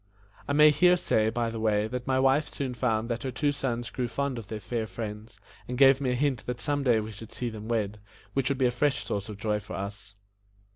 I may here say, by the way, that my wife soon found that her two sons grew fond of their fair friends, and gave me a hint that some day we should see them wed, which would be a fresh source of joy to us.